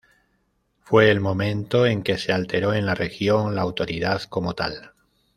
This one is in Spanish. Fue el momento en que se alteró en la región la autoridad como tal.